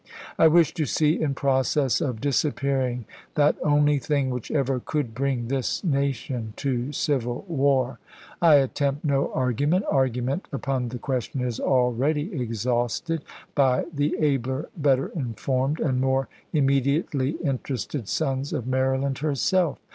I wish to see in process of disappearing that only thing which ever could bring this nation to civil war. I attempt no argument. Argu ment upon the question is akeady exhausted by the abler, better informed, and more immediately interested sons of Maryland herself.